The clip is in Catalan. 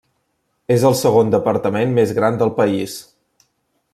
És el segon departament més gran del país.